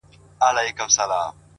ده ده سقراط لوڼې _ سچي فلسفې سترگي _